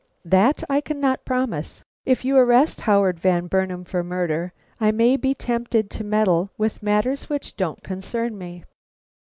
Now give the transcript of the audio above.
"That I cannot promise. If you arrest Howard Van Burnam for murder, I may be tempted to meddle with matters which don't concern me."